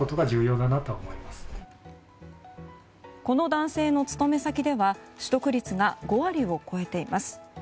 この男性の勤め先では取得率が５割を超えています。